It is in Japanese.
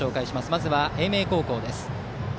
まずは英明高校です。